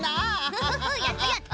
フフフやったやった！